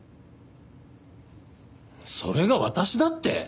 それが私だって！？